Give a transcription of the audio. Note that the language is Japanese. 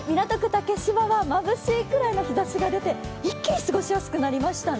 竹芝はまぶしいくらいの日ざしが出て一気に過ごしやすくなりましたね。